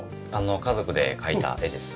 家族で描いた絵です。